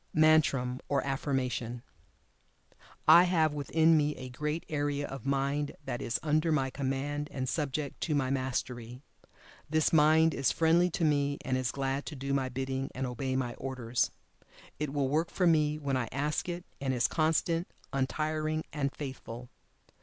MANTRAM (OR AFFIRMATION). I have within me a great area of Mind that is under my command, and subject to my Mastery. This Mind is friendly to me, and is glad to do my bidding, and obey my orders. It will work for me when I ask it, and is constant, untiring, and faithful.